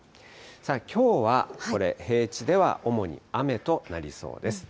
きょうはこれ、平地では主に雨となりそうです。